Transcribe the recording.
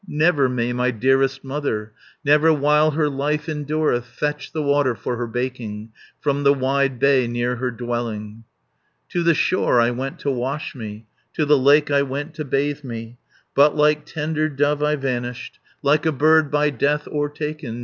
Never may my dearest mother, Never while her life endureth, Fetch the water for her baking, From the wide bay near her dwelling. "To the shore I went to wash me, To the lake I went to bathe me, But, like tender dove, I vanished, Like a bird by death o'ertaken.